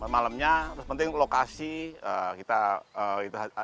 malamnya terus penting lokasi